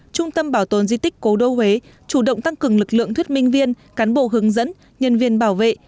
trung tâm bảo tồn di tích cố đô huế chủ động tăng cường lực lượng thuyết minh viên cán bộ hướng dẫn nhân viên bảo vệ